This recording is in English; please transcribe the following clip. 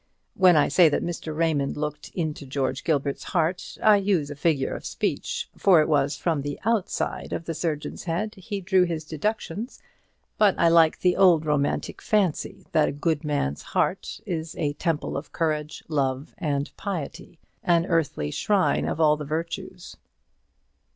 When I say that Mr. Raymond looked into George Gilbert's heart, I use a figure of speech, for it was from the outside of the surgeon's head he drew his deductions; but I like the old romantic fancy, that a good man's heart is a temple of courage, love, and piety an earthly shrine of all the virtues.